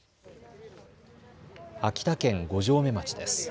秋田県五城目町です。